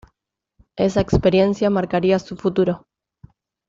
Esa experiencia marcaría su futuro.